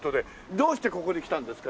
どうしてここに来たんですか？